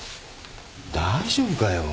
大丈夫かよ？